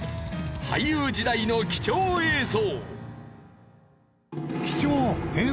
俳優時代の貴重映像。